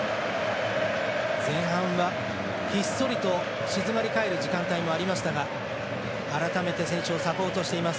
前半はひっそりと静まり返る時間帯もありましたが改めて選手をサポートしています。